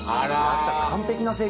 あら。